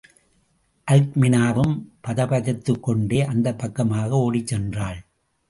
அல்க்மினாவும் பதைபதைத்துக்கொண்டே அந்தப் பக்கமாக ஓடிச் சென்றாள்.